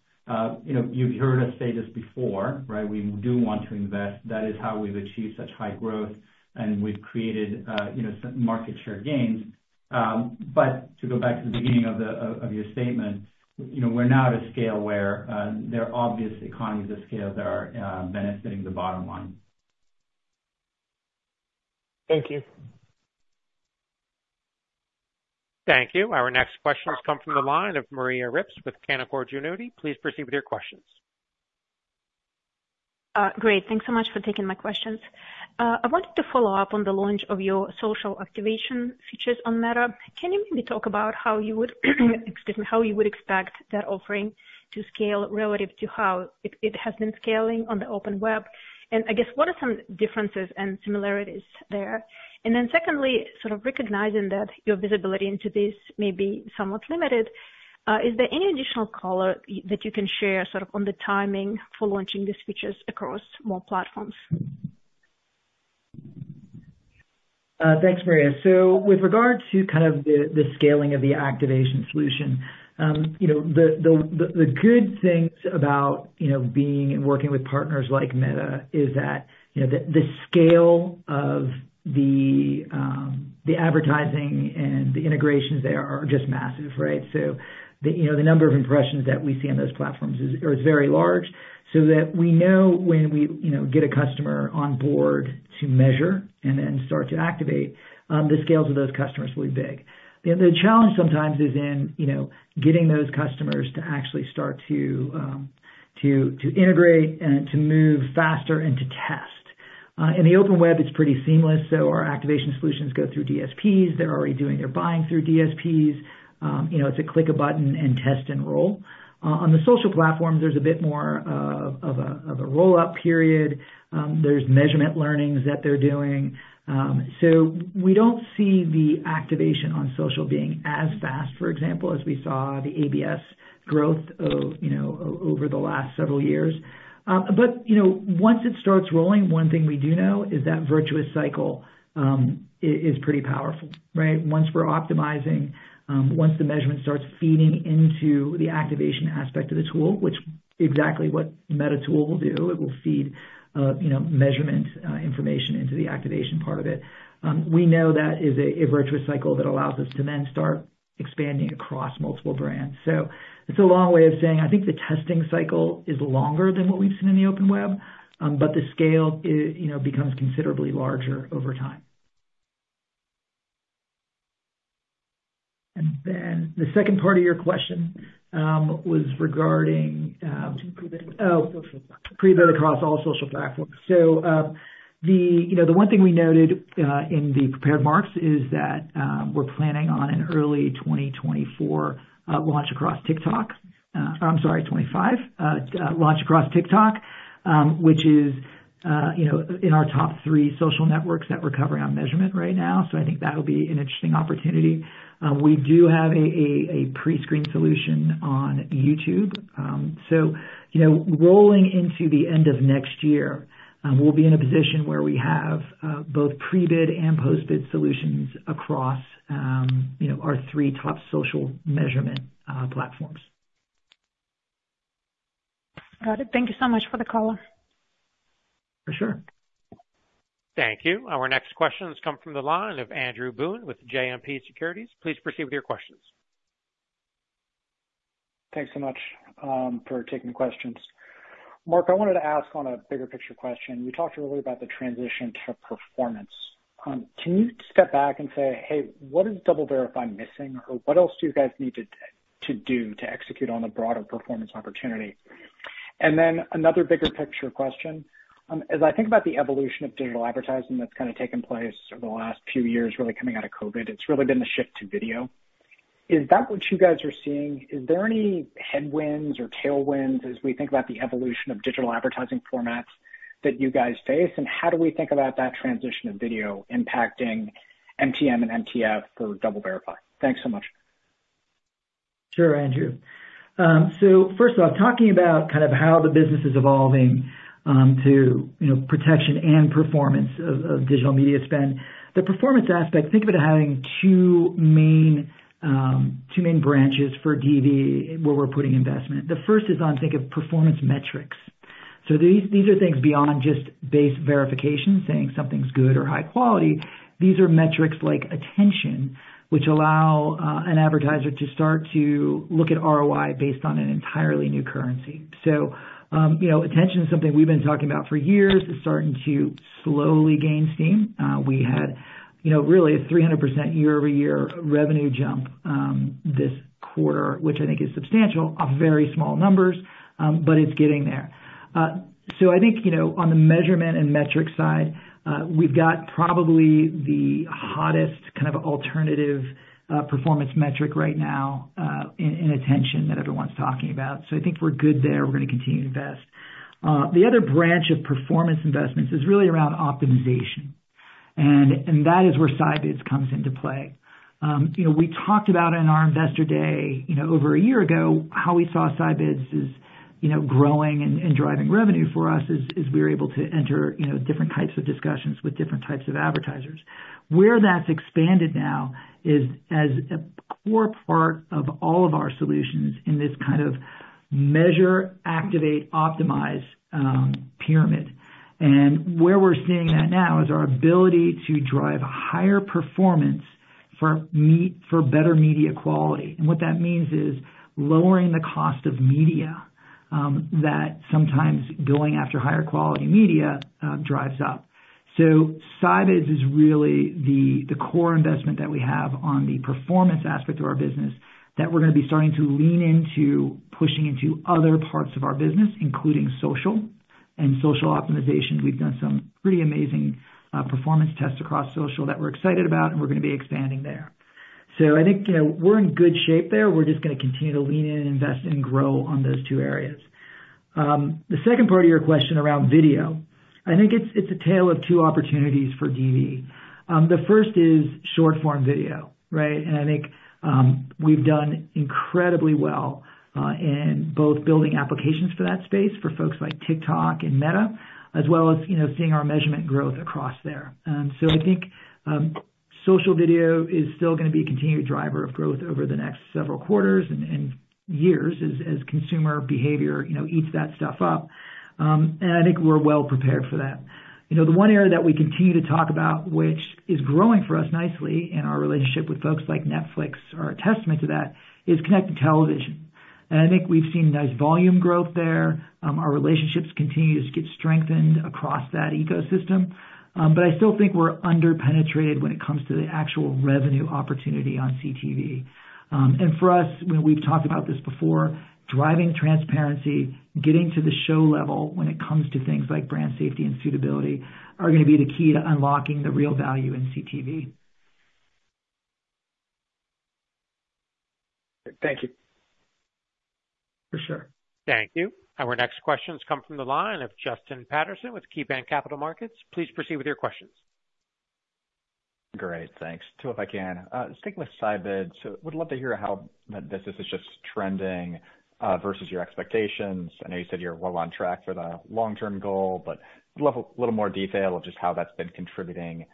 S4: You've heard us say this before, right? We do want to invest. That is how we've achieved such high growth, and we've created some market share gains. But to go back to the beginning of your statement, we're now at a scale where there are obvious economies of scale that are benefiting the bottom line.
S7: Thank you.
S1: Thank you. Our next questions come from the line of Maria Ripps with Canaccord Genuity. Please proceed with your questions.
S8: Great. Thanks so much for taking my questions. I wanted to follow up on the launch of your social activation features on Meta. Can you maybe talk about how you would, excuse me, how you would expect that offering to scale relative to how it has been scaling on the Open Web? And I guess, what are some differences and similarities there? And then secondly, sort of recognizing that your visibility into this may be somewhat limited, is there any additional color that you can share sort of on the timing for launching these features across more platforms?
S3: Thanks, Maria. So with regard to kind of the scaling of the activation solution, the good things about being and working with partners like Meta is that the scale of the advertising and the integrations there are just massive, right? So the number of impressions that we see on those platforms is very large so that we know when we get a customer on board to measure and then start to activate, the scales of those customers will be big. The challenge sometimes is in getting those customers to actually start to integrate and to move faster and to test. In the open web, it's pretty seamless. So our activation solutions go through DSPs. They're already doing their buying through DSPs. It's a click a button and test and roll. On the social platforms, there's a bit more of a roll-up period. There's measurement learnings that they're doing. So we don't see the activation on social being as fast, for example, as we saw the ABS growth over the last several years. But once it starts rolling, one thing we do know is that virtuous cycle is pretty powerful, right? Once we're optimizing, once the measurement starts feeding into the activation aspect of the tool, which is exactly what Meta Tool will do. It will feed measurement information into the activation part of it. We know that is a virtuous cycle that allows us to then start expanding across multiple brands. So it's a long way of saying I think the testing cycle is longer than what we've seen in the open web, but the scale becomes considerably larger over time. And then the second part of your question was regarding pre-bid across all social platforms. The one thing we noted in the prepared remarks is that we're planning on an early 2024 launch across TikTok. I'm sorry, 2025 launch across TikTok, which is in our top three social networks that we're covering on measurement right now. I think that will be an interesting opportunity. We do have a pre-screen solution on YouTube. Rolling into the end of next year, we'll be in a position where we have both pre-bid and post-bid solutions across our three top social measurement platforms.
S8: Got it. Thank you so much for the color.
S3: For sure.
S1: Thank you. Our next questions come from the line of Andrew Boone with JMP Securities. Please proceed with your questions.
S9: Thanks so much for taking the questions. Mark, I wanted to ask on a bigger picture question. We talked earlier about the transition to performance. Can you step back and say, "Hey, what is DoubleVerify missing?" Or, "What else do you guys need to do to execute on a broader performance opportunity?" And then another bigger picture question. As I think about the evolution of digital advertising that's kind of taken place over the last few years, really coming out of COVID, it's really been the shift to video. Is that what you guys are seeing? Is there any headwinds or tailwinds as we think about the evolution of digital advertising formats that you guys face? And how do we think about that transition of video impacting MTM and MTF for DoubleVerify? Thanks so much.
S3: Sure, Andrew. So first off, talking about kind of how the business is evolving to protection and performance of digital media spend, the performance aspect, think of it as having two main branches for DV where we're putting investment. The first is on, think of performance metrics. So these are things beyond just base verification, saying something's good or high quality. These are metrics like attention, which allow an advertiser to start to look at ROI based on an entirely new currency. So attention is something we've been talking about for years. It's starting to slowly gain steam. We had really a 300% year-over-year revenue jump this quarter, which I think is substantial off very small numbers, but it's getting there. So I think on the measurement and metric side, we've got probably the hottest kind of alternative performance metric right now in attention that everyone's talking about. So I think we're good there. We're going to continue to invest. The other branch of performance investments is really around optimization. And that is where Scibids comes into play. We talked about in our investor day over a year ago how we saw Scibids growing and driving revenue for us as we were able to enter different types of discussions with different types of advertisers. Where that's expanded now is as a core part of all of our solutions in this kind of measure, activate, optimize pyramid. And where we're seeing that now is our ability to drive higher performance for better media quality. And what that means is lowering the cost of media that sometimes going after higher quality media drives up. So Scibids is really the core investment that we have on the performance aspect of our business that we're going to be starting to lean into pushing into other parts of our business, including social and social optimization. We've done some pretty amazing performance tests across social that we're excited about, and we're going to be expanding there. So I think we're in good shape there. We're just going to continue to lean in, invest, and grow on those two areas. The second part of your question around video, I think it's a tale of two opportunities for DV. The first is short-form video, right? And I think we've done incredibly well in both building applications for that space for folks like TikTok and Meta, as well as seeing our measurement growth across there. So I think social video is still going to be a continued driver of growth over the next several quarters and years as consumer behavior eats that stuff up. And I think we're well prepared for that. The one area that we continue to talk about, which is growing for us nicely in our relationship with folks like Netflix, is a testament to that, is connected television. And I think we've seen nice volume growth there. Our relationships continue to get strengthened across that ecosystem. But I still think we're underpenetrated when it comes to the actual revenue opportunity on CTV. And for us, we've talked about this before, driving transparency, getting to the show level when it comes to things like brand safety and suitability are going to be the key to unlocking the real value in CTV.
S9: Thank you.
S3: For sure.
S1: Thank you. Our next questions come from the line of Justin Patterson with KeyBanc Capital Markets. Please proceed with your questions.
S10: Great. Thanks. Two if I can. Sticking with Scibids, would love to hear how this is just trending versus your expectations. I know you said you're well on track for the long-term goal, but I'd love a little more detail of just how that's been contributing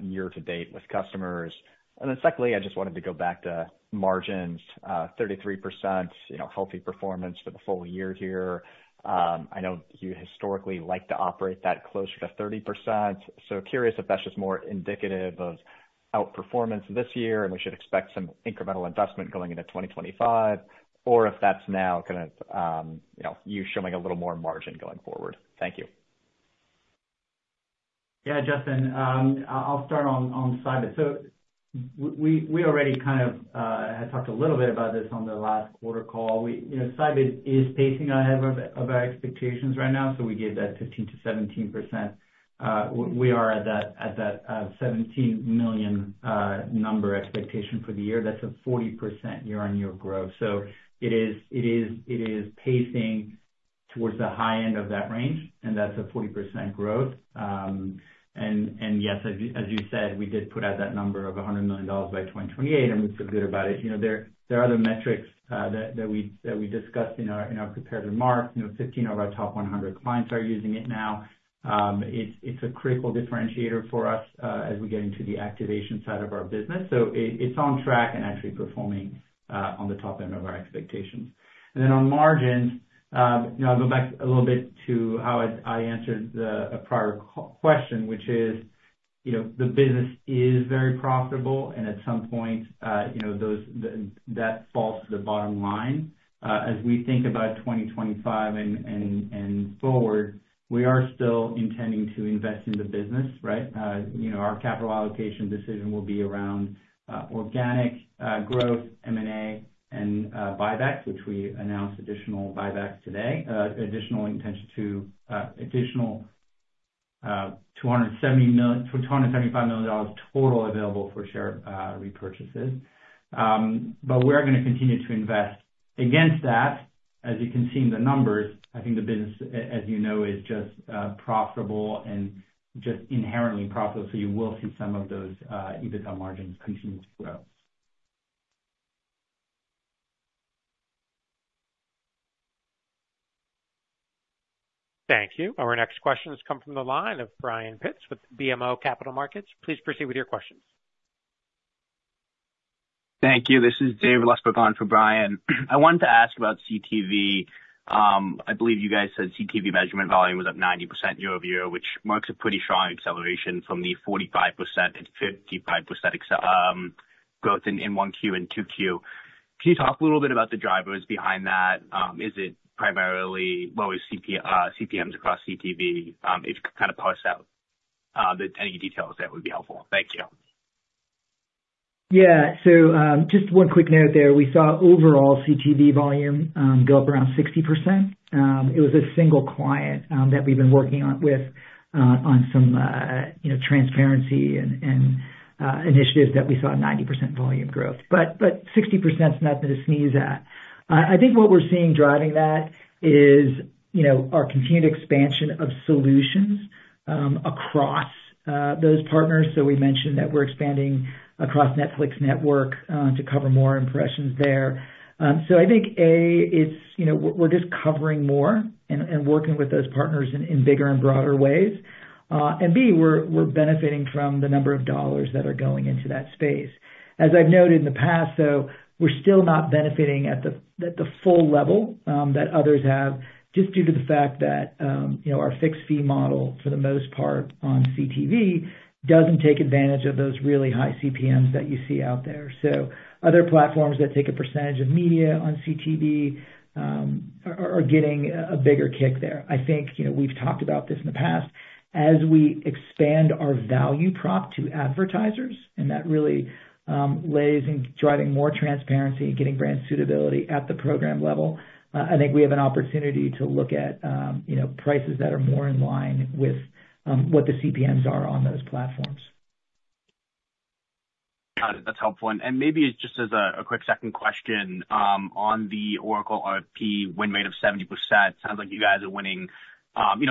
S10: year to date with customers. And then secondly, I just wanted to go back to margins, 33%, healthy performance for the full year here. I know you historically like to operate that closer to 30%. So curious if that's just more indicative of outperformance this year and we should expect some incremental investment going into 2025, or if that's now kind of you showing a little more margin going forward. Thank you.
S4: Yeah, Justin, I'll start on Scibids. So we already kind of had talked a little bit about this on the last quarter call. Scibids is pacing ahead of our expectations right now. So we gave that 15%-17%. We are at that $17 million number expectation for the year. That's a 40% year-on-year growth. So it is pacing towards the high end of that range, and that's a 40% growth. And yes, as you said, we did put out that number of $100 million by 2028, and we feel good about it. There are other metrics that we discussed in our prepared remarks. 15 of our top 100 clients are using it now. It's a critical differentiator for us as we get into the activation side of our business. So it's on track and actually performing on the top end of our expectations. And then on margins, I'll go back a little bit to how I answered a prior question, which is the business is very profitable, and at some point that falls to the bottom line. As we think about 2025 and forward, we are still intending to invest in the business, right? Our capital allocation decision will be around organic growth, M&A, and buybacks, which we announced additional buybacks today, additional intention to additional $275 million total available for share repurchases. But we're going to continue to invest. Against that, as you can see in the numbers, I think the business, as you know, is just profitable and just inherently profitable. So you will see some of those EBITDA margins continue to grow.
S1: Thank you. Our next questions come from the line of Brian Pitz with BMO Capital Markets. Please proceed with your questions.
S11: Thank you. This is Dave [Lee] for Brian. I wanted to ask about CTV. I believe you guys said CTV measurement volume was up 90% year-over-year, which marks a pretty strong acceleration from the 45%-55% growth in 1Q and 2Q. Can you talk a little bit about the drivers behind that? Is it primarily lower CPMs across CTV? If you could kind of parse out any details, that would be helpful. Thank you.
S3: Yeah, so just one quick note there. We saw overall CTV volume go up around 60%. It was a single client that we've been working with on some transparency and initiatives that we saw 90% volume growth. But 60% is nothing to sneeze at. I think what we're seeing driving that is our continued expansion of solutions across those partners, so we mentioned that we're expanding across Netflix to cover more impressions there, so I think, A, we're just covering more and working with those partners in bigger and broader ways. And B, we're benefiting from the number of dollars that are going into that space. As I've noted in the past, though, we're still not benefiting at the full level that others have just due to the fact that our fixed fee model for the most part on CTV doesn't take advantage of those really high CPMs that you see out there. So other platforms that take a percentage of media on CTV are getting a bigger kick there. I think we've talked about this in the past. As we expand our value prop to advertisers, and that really lays in driving more transparency and getting brand suitability at the program level, I think we have an opportunity to look at prices that are more in line with what the CPMs are on those platforms.
S12: Got it. That's helpful. And maybe just as a quick second question on the Oracle RFP, win rate of 70%, sounds like you guys are winning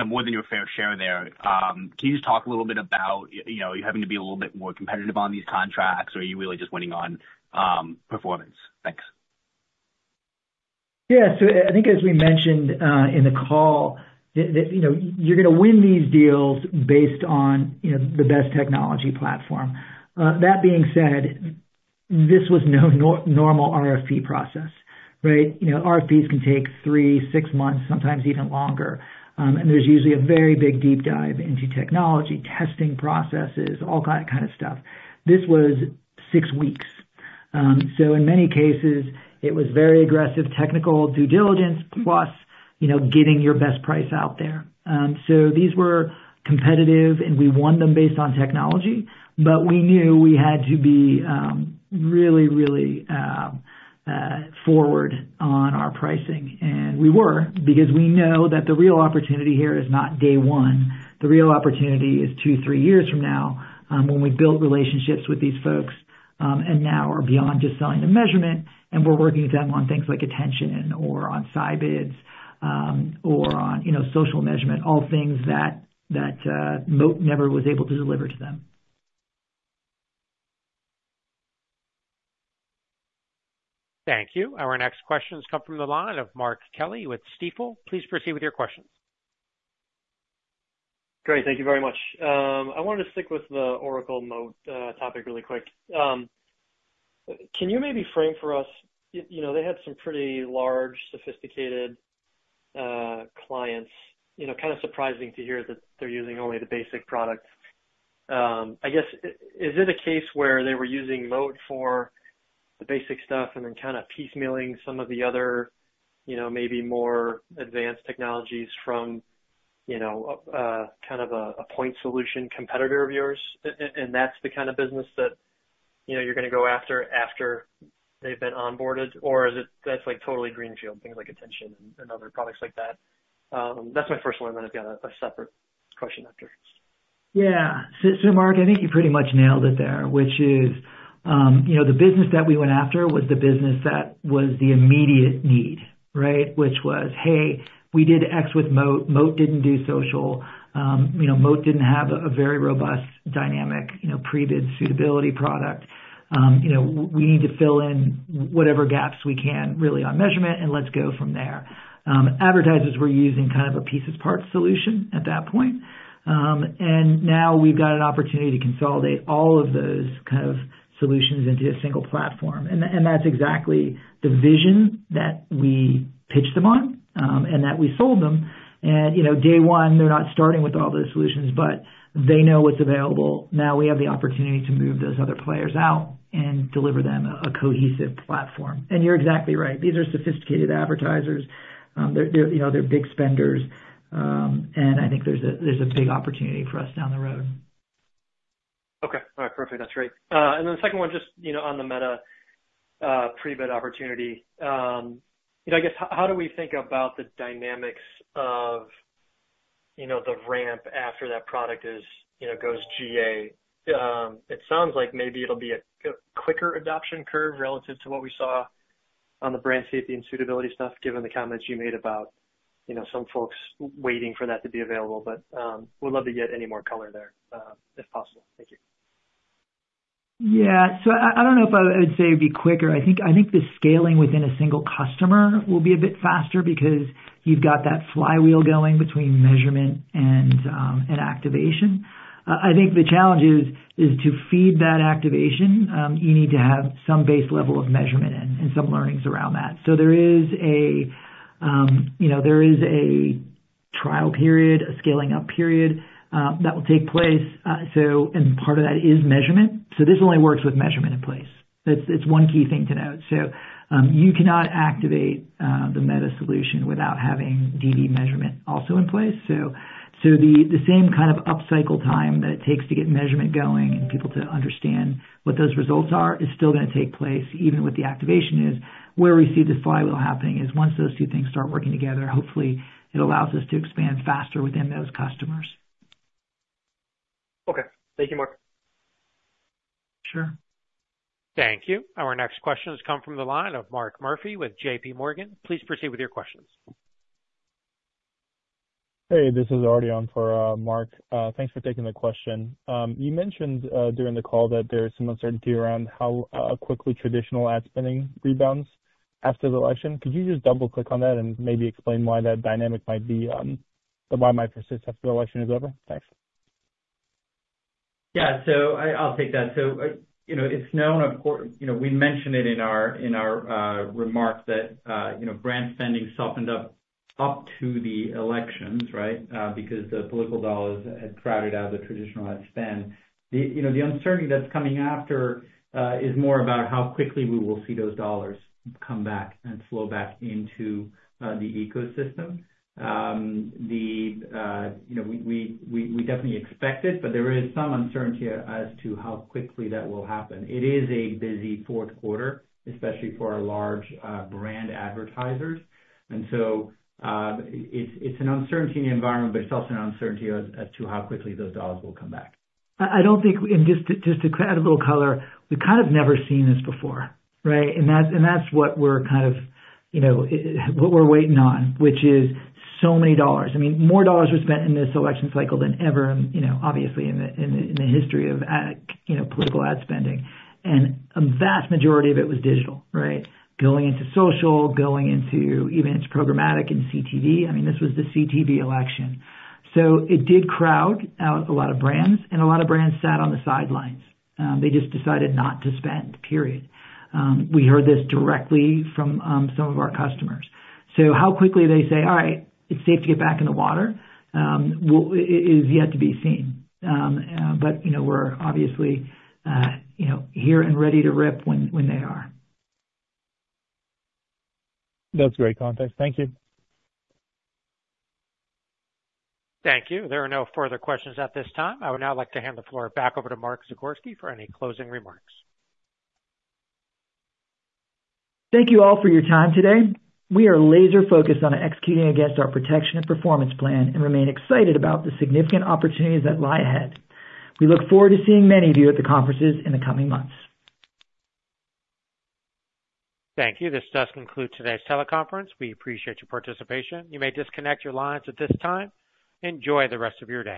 S12: more than your fair share there. Can you just talk a little bit about you having to be a little bit more competitive on these contracts, or are you really just winning on performance? Thanks.
S3: Yeah. So I think as we mentioned in the call, you're going to win these deals based on the best technology platform. That being said, this was no normal RFP process, right? RFPs can take three, six months, sometimes even longer. And there's usually a very big deep dive into technology, testing processes, all that kind of stuff. This was six weeks. So in many cases, it was very aggressive technical due diligence plus getting your best price out there. So these were competitive, and we won them based on technology, but we knew we had to be really, really forward on our pricing. And we were because we know that the real opportunity here is not day one. The real opportunity is two, three years from now when we've built relationships with these folks and now are beyond just selling the measurement, and we're working with them on things like attention or on Scibids or on social measurement, all things that Moat never was able to deliver to them.
S1: Thank you. Our next questions come from the line of Mark Kelley with Stifel. Please proceed with your questions.
S13: Great. Thank you very much. I wanted to stick with the Oracle Moat topic really quick. Can you maybe frame for us? They had some pretty large, sophisticated clients. Kind of surprising to hear that they're using only the basic product. I guess, is it a case where they were using Moat for the basic stuff and then kind of piecemealing some of the other maybe more advanced technologies from kind of a point solution competitor of yours? And that's the kind of business that you're going to go after after they've been onboarded, or that's totally greenfield, things like attention and other products like that? That's my first one, and then I've got a separate question after.
S3: Yeah. So Mark, I think you pretty much nailed it there, which is the business that we went after was the business that was the immediate need, right, which was, "Hey, we did X with Moat. Moat didn't do social. Moat didn't have a very robust dynamic pre-bid suitability product. We need to fill in whatever gaps we can really on measurement, and let's go from there." Advertisers were using kind of a piece-of-part solution at that point. And now we've got an opportunity to consolidate all of those kind of solutions into a single platform. And that's exactly the vision that we pitched them on and that we sold them. And day one, they're not starting with all those solutions, but they know what's available. Now we have the opportunity to move those other players out and deliver them a cohesive platform. And you're exactly right. These are sophisticated advertisers. They're big spenders, and I think there's a big opportunity for us down the road.
S13: Okay. All right. Perfect. That's great. And then the second one, just on the Meta pre-bid opportunity, I guess, how do we think about the dynamics of the ramp after that product goes GA? It sounds like maybe it'll be a quicker adoption curve relative to what we saw on the brand safety and suitability stuff, given the comments you made about some folks waiting for that to be available. But we'd love to get any more color there if possible. Thank you.
S3: Yeah. So I don't know if I would say it would be quicker. I think the scaling within a single customer will be a bit faster because you've got that flywheel going between measurement and activation. I think the challenge is to feed that activation. You need to have some base level of measurement and some learnings around that. So there is a trial period, a scaling-up period that will take place. And part of that is measurement. So this only works with measurement in place. It's one key thing to note. So you cannot activate the Meta solution without having DV measurement also in place. So the same kind of upcycle time that it takes to get measurement going and people to understand what those results are is still going to take place even with the activation news. Where we see the flywheel happening is once those two things start working together, hopefully, it allows us to expand faster within those customers.
S13: Okay. Thank you, Mark.
S3: Sure.
S1: Thank you. Our next questions come from the line of Mark Murphy with JPMorgan. Please proceed with your questions.
S14: Hey, this is [Arjun] for Mark. Thanks for taking the question. You mentioned during the call that there's some uncertainty around how quickly traditional ad spending rebounds after the election. Could you just double-click on that and maybe explain why that dynamic might persist after the election is over? Thanks.
S4: Yeah. So I'll take that. So it's known, of course, we mentioned it in our remark that brand spending softened up to the elections, right, because the political dollars had crowded out the traditional ad spend. The uncertainty that's coming after is more about how quickly we will see those dollars come back and flow back into the ecosystem. We definitely expect it, but there is some uncertainty as to how quickly that will happen. It is a busy fourth quarter, especially for our large brand advertisers. And so it's an uncertainty in the environment, but it's also an uncertainty as to how quickly those dollars will come back.
S3: I don't think, and just to add a little color, we've kind of never seen this before, right? And that's what we're waiting on, which is so many dollars. I mean, more dollars were spent in this election cycle than ever, obviously, in the history of political ad spending. And a vast majority of it was digital, right? Going into social, going into even it's programmatic in CTV. I mean, this was the CTV election. So it did crowd out a lot of brands, and a lot of brands sat on the sidelines. They just decided not to spend, period. We heard this directly from some of our customers. So how quickly they say, "All right, it's safe to get back in the water," is yet to be seen. But we're obviously here and ready to rip when they are.
S14: That's great context. Thank you.
S1: Thank you. There are no further questions at this time. I would now like to hand the floor back over to Mark Zagorski for any closing remarks.
S3: Thank you all for your time today. We are laser-focused on executing against our protection and performance plan and remain excited about the significant opportunities that lie ahead. We look forward to seeing many of you at the conferences in the coming months.
S1: Thank you. This does conclude today's teleconference. We appreciate your participation. You may disconnect your lines at this time. Enjoy the rest of your day.